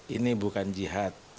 ini bukan jihad